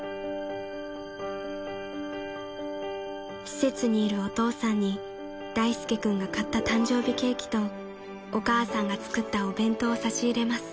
［施設にいるお父さんに大介君が買った誕生日ケーキとお母さんが作ったお弁当を差し入れます］